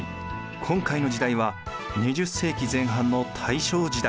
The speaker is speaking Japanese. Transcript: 今回の時代は２０世紀前半の大正時代。